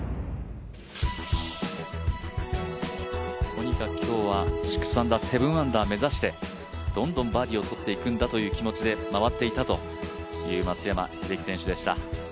とにかく今日は６アンダー、７アンダーを目指してどんどんバーディーを取っていくんだという気持ちで回っていたという松山英樹選手でした。